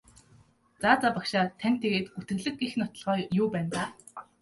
За за багшаа танд тэгээд гүтгэлэг гэх нотолгоо юу байна даа?